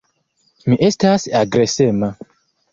Mi estas agresema.